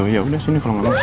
ya udah sini kalo gak mau